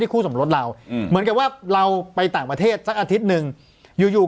ได้คู่สมรสเราเหมือนกับว่าเราไปต่างประเทศอาทิตย์เจียว